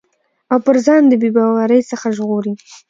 او پر ځان د بې باورٸ څخه ژغوري